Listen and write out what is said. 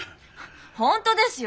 本当ですよ。